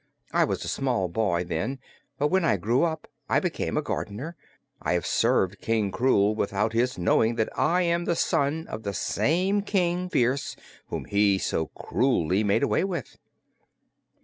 I was a small boy, then, but when I grew up I became a gardener. I have served King Krewl without his knowing that I am the son of the same King Phearse whom he so cruelly made away with."